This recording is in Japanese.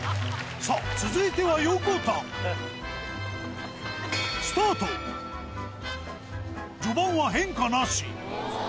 さぁ続いては横田序盤は変化なしおぉ！